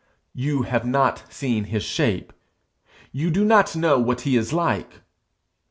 'You have not seen his shape;' 'You do not know what he is like.'